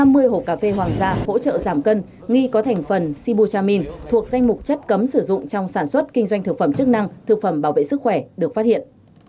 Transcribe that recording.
một một nghìn chín trăm năm mươi hộp cà phê hoàng gia hỗ trợ giảm cân nghi có thành phần sibutramine thuộc danh mục chất cấm sử dụng trong sản xuất kinh doanh thực phẩm chức năng thực phẩm bảo vệ sức khỏe được phát hiện